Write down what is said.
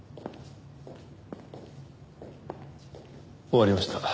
終わりました。